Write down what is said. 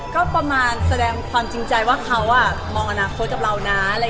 ก็ประมาณแสดงความจริงใจว่าเขามองอนาคตกับเรานะ